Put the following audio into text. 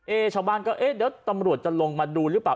ชาวบ้านก็เอ๊ะเดี๋ยวตำรวจจะลงมาดูหรือเปล่า